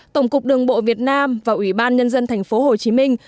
tổng cục đường bộ việt nam và quỹ bác nhân dân thành phố hồ chí minh